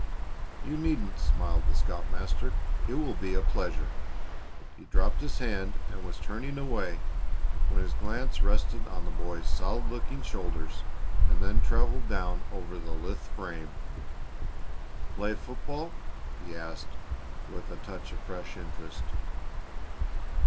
"You needn't," smiled the scoutmaster. "It will be a pleasure." He dropped his hand and was turning away when his glance rested on the boy's solid looking shoulders and then traveled on down over the lithe frame. "Play football?" he asked, with a touch of fresh interest.